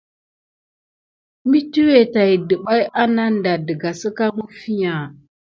Mesuwa tät kuɓaï aname ɗa daka sika mifiya.